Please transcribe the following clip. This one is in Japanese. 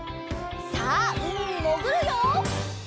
さあうみにもぐるよ！